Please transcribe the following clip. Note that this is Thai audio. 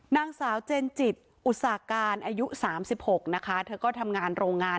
นางสาวเจนจิตอุตส่ากาลอายุสามสิบหกนะคะเท่าก็ทำงานโรงงาน